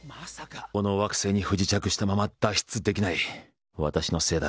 この惑星に不時着したまま脱出できない。